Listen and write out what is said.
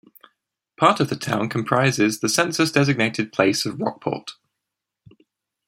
Part of the town comprises the census-designated place of Rockport.